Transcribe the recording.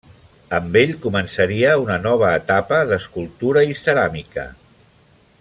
Amb ell començaria una nova etapa d'escultura i ceràmica.